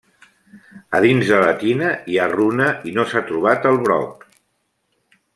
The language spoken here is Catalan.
A dins de la tina hi ha runa i no s'ha trobat el broc.